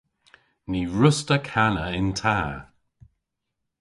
Ny wruss'ta kana yn ta.